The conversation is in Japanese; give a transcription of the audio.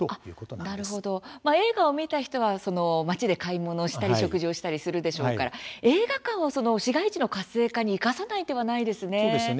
なるほど、映画を見た人はその街で買い物をしたり食事をしたりするでしょうから映画館をその市街地の活性化にそうですね。